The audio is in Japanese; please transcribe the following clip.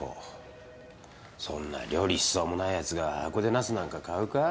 そんな料理しそうもないやつが箱で茄子なんか買うか？